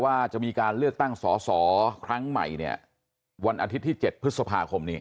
ว่าจะมีการเลือกตั้งสอสอครั้งใหม่เนี่ยวันอาทิตย์ที่๗พฤษภาคมนี้